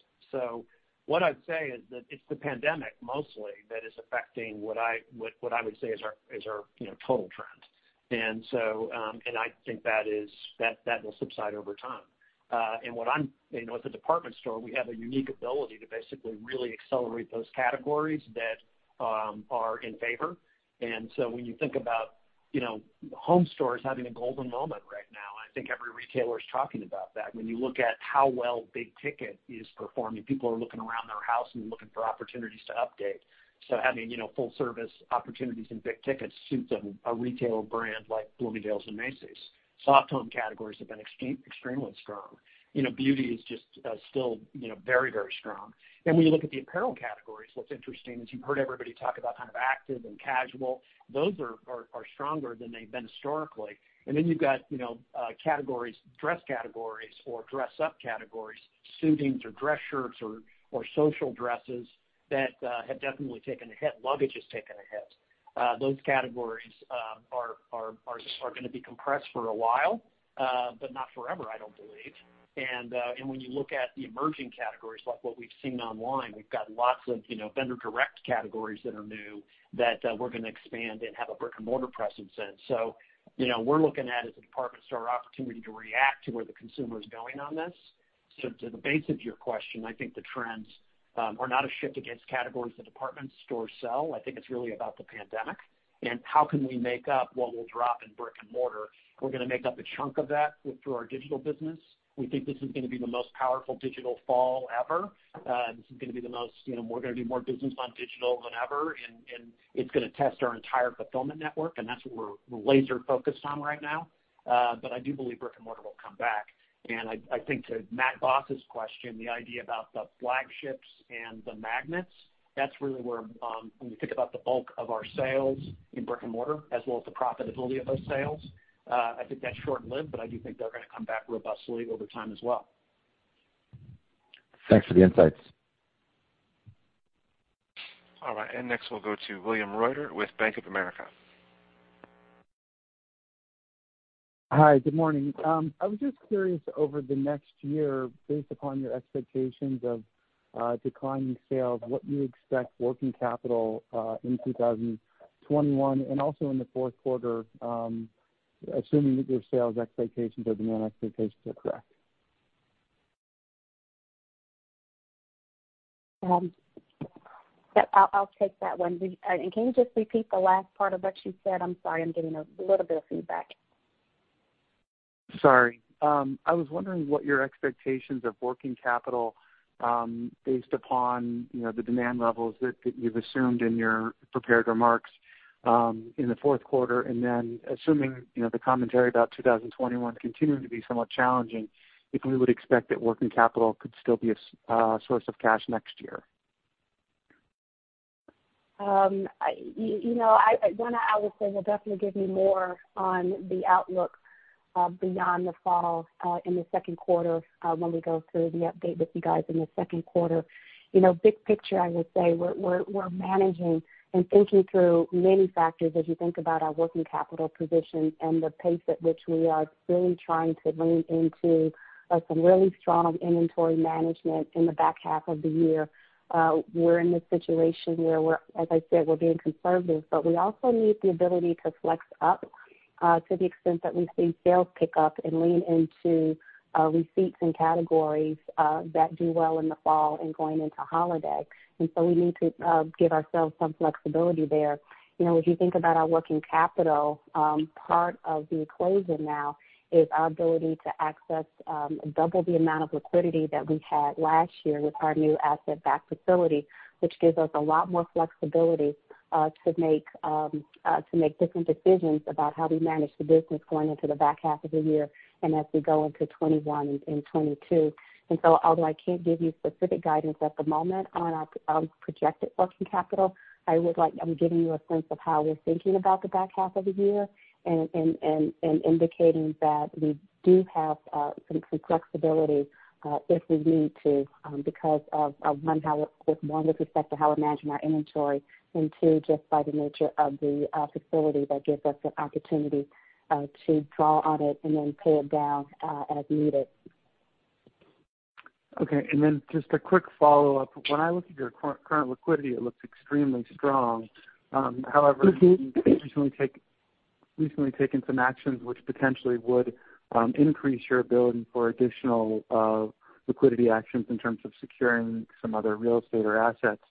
S3: What I'd say is that it's the pandemic mostly that is affecting what I would say is our total trend. I think that will subside over time. With the department store, we have a unique ability to basically really accelerate those categories that are in favor. When you think about home stores having a golden moment right now, I think every retailer is talking about that. When you look at how well big ticket is performing, people are looking around their house and looking for opportunities to update. Having full-service opportunities in big ticket suits a retail brand like Bloomingdale's and Macy's. Soft home categories have been extremely strong. Beauty is just still very strong. When you look at the apparel categories, what's interesting is you've heard everybody talk about kind of active and casual. Those are stronger than they've been historically. Then you've got dress categories or dress-up categories, suitings or dress shirts or social dresses that have definitely taken a hit. Luggage has taken a hit. Those categories are going to be compressed for a while, but not forever, I don't believe. When you look at the emerging categories, like what we've seen online, we've got lots of vendor-direct categories that are new that we're going to expand and have a brick-and-mortar presence in. We're looking at, as a department store, opportunity to react to where the consumer is going on this. To the base of your question, I think the trends are not a shift against categories that department stores sell. I think it's really about the pandemic and how can we make up what we'll drop in brick-and-mortar. We're going to make up a chunk of that through our digital business. We think this is going to be the most powerful digital fall ever. We're going to do more business on digital than ever, and it's going to test our entire fulfillment network, and that's what we're laser-focused on right now. I do believe brick-and-mortar will come back. I think to Matt Boss's question, the idea about the flagships and the magnets, that's really where, when we think about the bulk of our sales in brick-and-mortar, as well as the profitability of those sales, I think that's short-lived, but I do think they're going to come back robustly over time as well.
S9: Thanks for the insights.
S1: All right, next we'll go to William Reuter with Bank of America.
S10: Hi, good morning. I was just curious, over the next year, based upon your expectations of declining sales, what you expect working capital in 2021, and also in the fourth quarter, assuming that your sales expectations or demand expectations are correct?
S4: I'll take that one. Can you just repeat the last part of what you said? I'm sorry, I'm getting a little bit of feedback.
S10: Sorry. I was wondering what your expectations of working capital based upon the demand levels that you've assumed in your prepared remarks in the fourth quarter, and then assuming the commentary about 2021 continuing to be somewhat challenging, if we would expect that working capital could still be a source of cash next year.
S4: I will say we'll definitely give you more on the outlook beyond the fall in the second quarter when we go through the update with you guys in the second quarter. Big picture, I would say we're managing and thinking through many factors as you think about our working capital position and the pace at which we are really trying to lean into some really strong inventory management in the back half of the year. We're in this situation where as I said, we're being conservative, but we also need the ability to flex up to the extent that we see sales pick up and lean into receipts and categories that do well in the fall and going into holiday. We need to give ourselves some flexibility there. If you think about our working capital, part of the equation now is our ability to access double the amount of liquidity that we had last year with our new asset-backed facility, which gives us a lot more flexibility to make different decisions about how we manage the business going into the back half of the year and as we go into 2021 and 2022. Although I can't give you specific guidance at the moment on our projected working capital, I'm giving you a sense of how we're thinking about the back half of the year and indicating that we do have some flexibility if we need to because of, one, with respect to how we're managing our inventory, and two, just by the nature of the facility that gives us the opportunity to draw on it and then pay it down as needed.
S10: Okay. Just a quick follow-up. When I look at your current liquidity, it looks extremely strong. However, you've recently taken some actions which potentially would increase your ability for additional liquidity actions in terms of securing some other real estate or assets.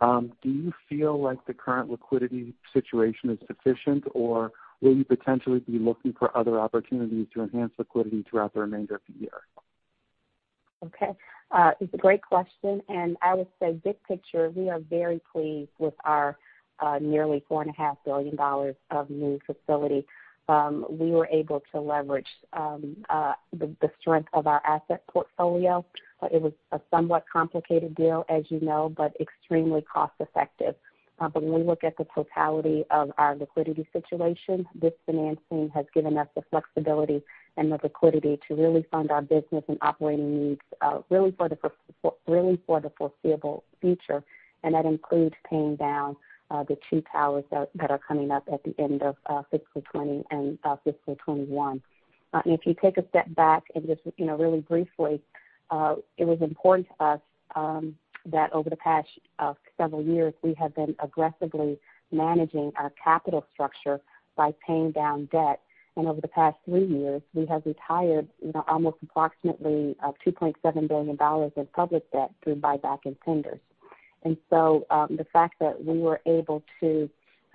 S10: Do you feel like the current liquidity situation is sufficient, or will you potentially be looking for other opportunities to enhance liquidity throughout the remainder of the year?
S4: Okay. It's a great question. I would say big picture, we are very pleased with our nearly $4.5 billion of new facility. We were able to leverage the strength of our asset portfolio. It was a somewhat complicated deal, as you know, extremely cost effective. When we look at the totality of our liquidity situation, this financing has given us the flexibility and the liquidity to really fund our business and operating needs really for the foreseeable future. That includes paying down the two towers that are coming up at the end of fiscal 2020 and fiscal 2021. If you take a step back and just really briefly, it was important to us that over the past several years, we have been aggressively managing our capital structure by paying down debt. Over the past three years, we have retired almost approximately $2.7 billion of public debt through buyback and tenders. The fact that we were able to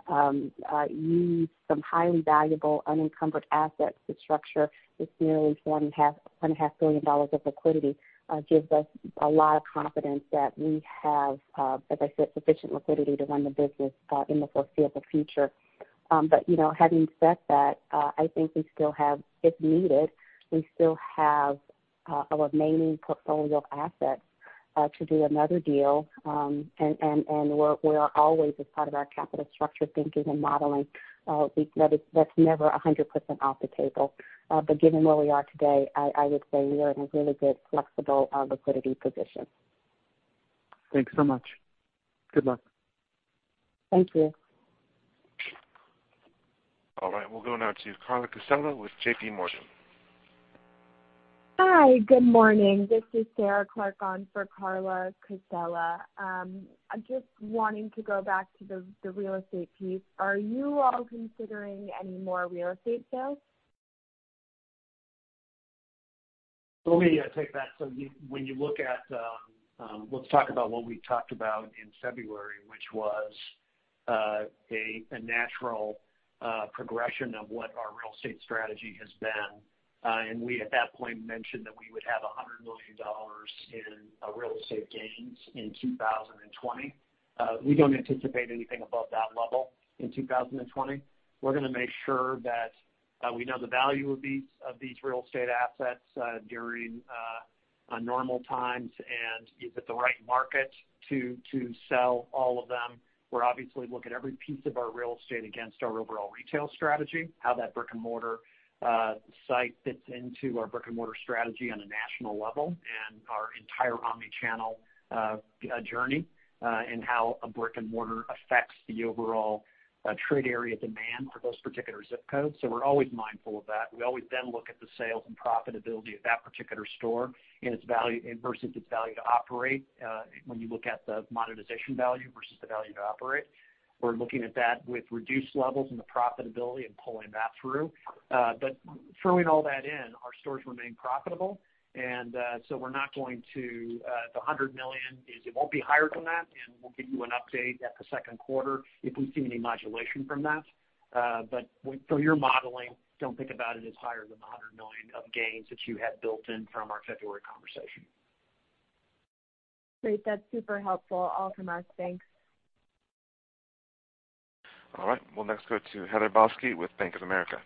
S4: use some highly valuable unencumbered assets to structure this nearly $1.5 billion of liquidity gives us a lot of confidence that we have, as I said, sufficient liquidity to run the business in the foreseeable future. Having said that, I think if needed, we still have our remaining portfolio of assets to do another deal. We are always as part of our capital structure thinking and modeling, that's never 100% off the table. Given where we are today, I would say we are in a really good, flexible liquidity position.
S10: Thanks so much. Good luck.
S4: Thank you.
S1: All right. We'll go now to Carla Casella with J.P. Morgan.
S11: Hi, good morning. This is Sarah Clark on for Carla Casella. I'm just wanting to go back to the real estate piece. Are you all considering any more real estate sales?
S3: Let me take that. Let's talk about what we talked about in February, which was a natural progression of what our real estate strategy has been. We, at that point, mentioned that we would have $100 million in real estate gains in 2020. We don't anticipate anything above that level in 2020. We're going to make sure that we know the value of these real estate assets during normal times and is it the right market to sell all of them. We're obviously looking at every piece of our real estate against our overall retail strategy, how that brick-and-mortar site fits into our brick-and-mortar strategy on a national level and our entire omni-channel journey, and how a brick-and-mortar affects the overall trade area demand for those particular zip codes. We're always mindful of that. We always then look at the sales and profitability of that particular store versus its value to operate. When you look at the monetization value versus the value to operate, we're looking at that with reduced levels and the profitability and pulling that through. Throwing all that in, our stores remain profitable, the $100 million, it won't be higher than that, and we'll give you an update at the second quarter if we see any modulation from that. For your modeling, don't think about it as higher than the $100 million of gains that you had built in from our February conversation.
S11: Great. That's super helpful. All from us. Thanks.
S1: All right, we'll next go to Heather Balsky with Bank of America.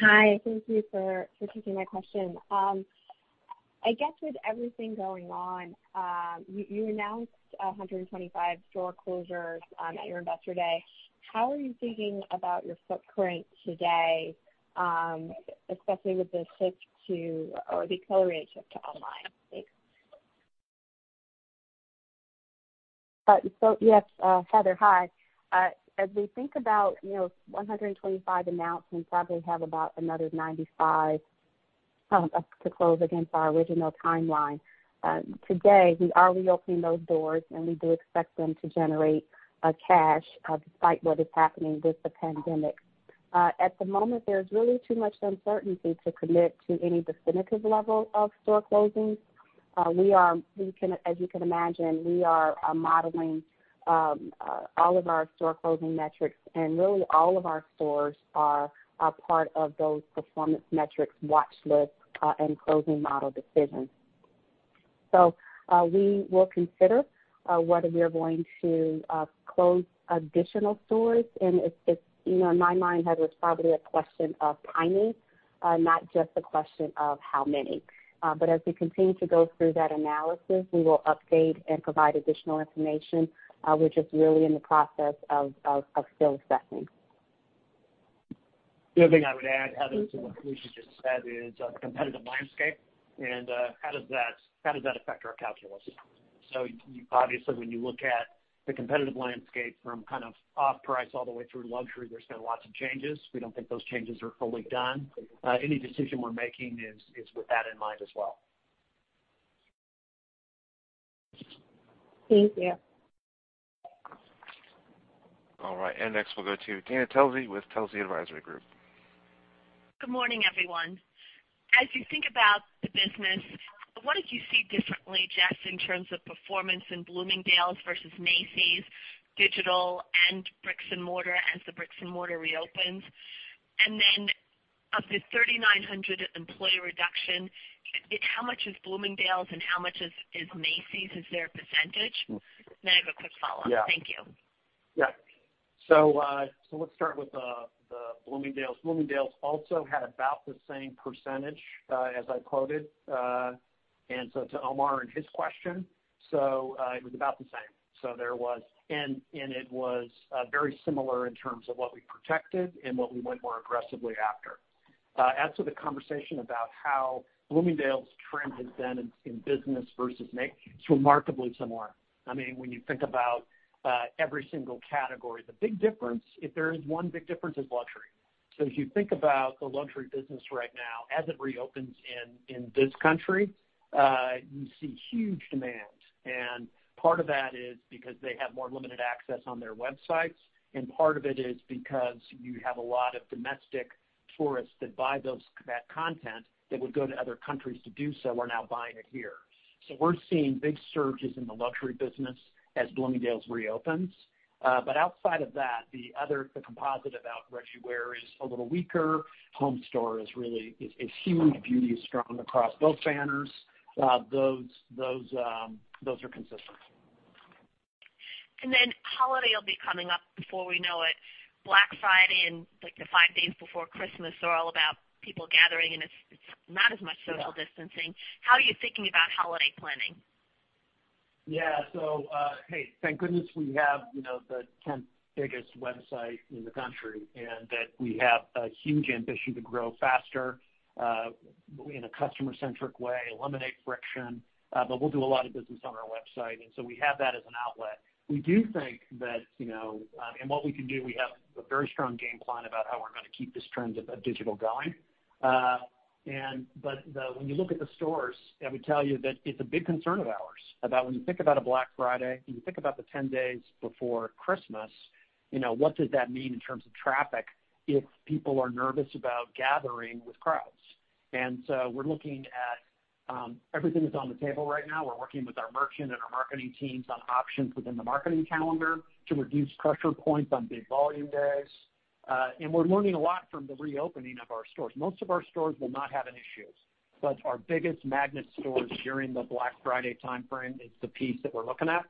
S12: Hi. Thank you for taking my question. I guess with everything going on, you announced 125 store closures at your Investor Day. How are you thinking about your footprint today, especially with the accelerated shift to online? Thanks.
S4: Yes, Heather, hi. As we think about 125 announcements, probably have about another 95 to close against our original timeline. Today, we are reopening those doors, and we do expect them to generate cash despite what is happening with the pandemic. At the moment, there's really too much uncertainty to commit to any definitive level of store closings. As you can imagine, we are modeling all of our store closing metrics, and really all of our stores are a part of those performance metrics watchlist and closing model decisions. We will consider whether we are going to close additional stores, and in my mind, Heather, it's probably a question of timing, not just a question of how many. As we continue to go through that analysis, we will update and provide additional information. We're just really in the process of still assessing.
S3: The other thing I would add, Heather, to what Felicia just said, is competitive landscape and how does that affect our calculus. Obviously, when you look at the competitive landscape from off-price all the way through luxury, there's been lots of changes. We don't think those changes are fully done. Any decision we're making is with that in mind as well.
S12: Thank you.
S1: All right. Next, we'll go to Dana Telsey with Telsey Advisory Group.
S13: Good morning, everyone. As you think about the business, what did you see differently, Jeff, in terms of performance in Bloomingdale's versus Macy's, digital and bricks and mortar, as the bricks and mortar reopens? Of the 3,900 employee reduction, how much is Bloomingdale's and how much is Macy's? Is there a percentage? I have a quick follow-up.
S3: Yeah.
S13: Thank you.
S3: Yeah. Let's start with Bloomingdale's. Bloomingdale's also had about the same percentage, as I quoted. To Omar and his question, it was about the same. It was very similar in terms of what we protected and what we went more aggressively after. As to the conversation about how Bloomingdale's trend has been in business versus Macy's, it's remarkably similar. When you think about every single category. The big difference, if there is one big difference, is luxury. If you think about the luxury business right now, as it reopens in this country, you see huge demand. Part of that is because they have more limited access on their websites, and part of it is because you have a lot of domestic tourists that buy that content that would go to other countries to do so are now buying it here. we're seeing big surges in the luxury business as Bloomingdale's reopens. outside of that, the other composite of our ready-to-wear is a little weaker. Home store is huge. Beauty is strong across both banners. Those are consistent.
S13: holiday will be coming up before we know it. Black Friday and the five days before Christmas are all about people gathering, and it's not as much social distancing.
S3: Yeah.
S13: How are you thinking about holiday planning?
S3: Yeah. Hey, thank goodness we have the 10th biggest website in the country, and that we have a huge ambition to grow faster, in a customer-centric way, eliminate friction. We'll do a lot of business on our website. We have that as an outlet. We do think that, in what we can do, we have a very strong game plan about how we're going to keep this trend of digital going. When you look at the stores, I would tell you that it's a big concern of ours, about when you think about a Black Friday, when you think about the 10 days before Christmas, what does that mean in terms of traffic if people are nervous about gathering with crowds? We're looking at everything that's on the table right now. We're working with our merchant and our marketing teams on options within the marketing calendar to reduce pressure points on big volume days. We're learning a lot from the reopening of our stores. Most of our stores will not have any issues, but our biggest magnet stores during the Black Friday timeframe is the piece that we're looking at.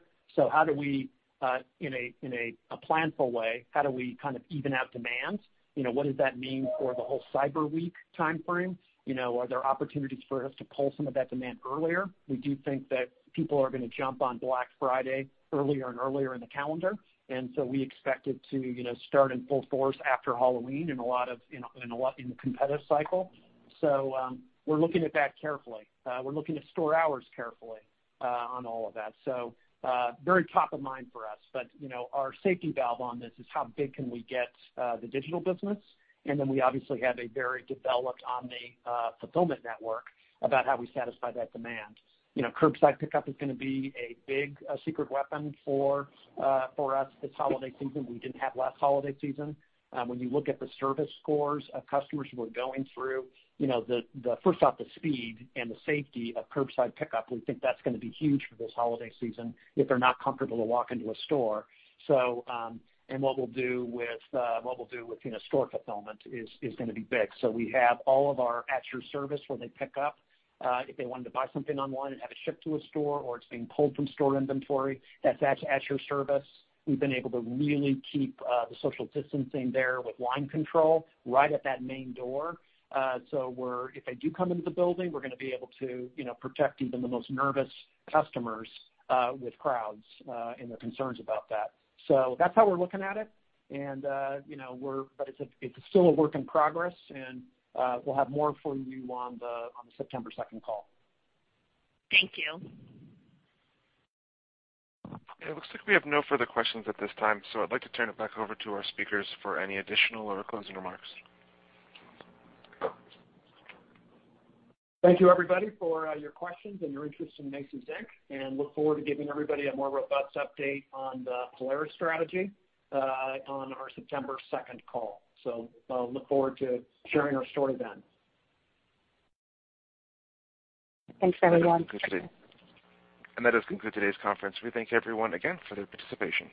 S3: In a planful way, how do we even out demand? What does that mean for the whole Cyber Week timeframe? Are there opportunities for us to pull some of that demand earlier? We do think that people are going to jump on Black Friday earlier and earlier in the calendar. We expect it to start in full force after Halloween in competitive cycle. We're looking at that carefully. We're looking at store hours carefully on all of that. Very top of mind for us. our safety valve on this is how big can we get the digital business, and then we obviously have a very developed omni-fulfillment network about how we satisfy that demand. Curbside pickup is going to be a big secret weapon for us this holiday season we didn't have last holiday season. When you look at the service scores of customers who are going through, first off, the speed and the safety of curbside pickup, we think that's going to be huge for this holiday season if they're not comfortable to walk into a store. what we'll do with store fulfillment is going to be big. we have all of our At Your Service when they pick up. If they wanted to buy something online and have it shipped to a store, or it's being pulled from store inventory, that's At Your Service. We've been able to really keep the social distancing there with line control right at that main door. If they do come into the building, we're going to be able to protect even the most nervous customers with crowds, and their concerns about that. That's how we're looking at it. It's still a work in progress, and we'll have more for you on the September 2nd call.
S13: Thank you.
S1: It looks like we have no further questions at this time, so I'd like to turn it back over to our speakers for any additional or closing remarks.
S3: Thank you, everybody, for your questions and your interest in Macy's, Inc. look forward to giving everybody a more robust update on the Polaris strategy on our September 2nd call. look forward to sharing our story then.
S4: Thanks, everyone.
S1: That does conclude today's conference. We thank everyone again for their participation.